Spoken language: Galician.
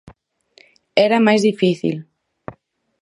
Era máis difícil.